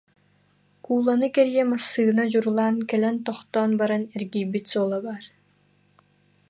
Кууланы кэрийэ массыына дьурулаан кэлэн тох- тоон баран, эргийбит суола баар